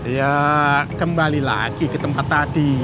ya kembali lagi ke tempat tadi